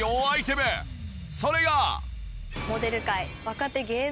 それが！